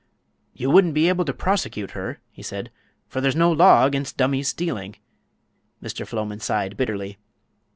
"You wouldn't be able to prosecute her," he said, "for there's no law against dummies stealing." Mr. Floman sighed bitterly.